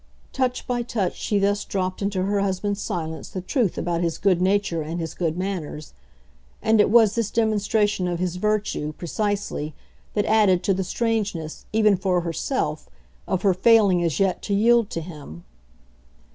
Touch by touch she thus dropped into her husband's silence the truth about his good nature and his good manners; and it was this demonstration of his virtue, precisely, that added to the strangeness, even for herself, of her failing as yet to yield to him.